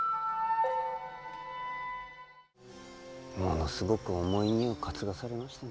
ものすごく重い荷を担がされましてな。